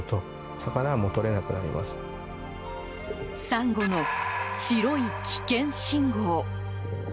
サンゴの、白い危険信号。